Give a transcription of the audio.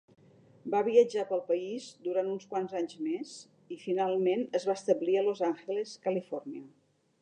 Va viatjar pel país durant uns quants anys més i, finalment, es va establir a Los Angeles, California.